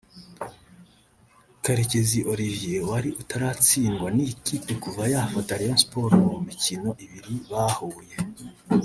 Karekezi Olivier wari utaratsindwa n’iyi kipe kuva yafata Rayon Sports mu mikino ibiri bahuye